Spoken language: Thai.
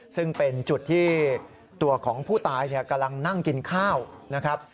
ซึ่งเป็นจุดที่ตัวของผู้ตายกำลังนั่งกินข้าวนะครับ